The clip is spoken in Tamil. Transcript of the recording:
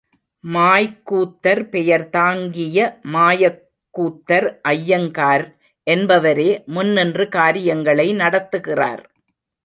மாய்க்கூத்தர் பெயர் தாங்கிய மாயக்கூத்தர் அய்யங்கார் என்பவரே முன்னின்று காரியங்களை நடத்துகிறார்.